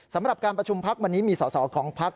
สำหรับการประชุมพักวันนี้มีสอสอของพัก